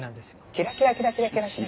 キラキラキラキラキラキラ。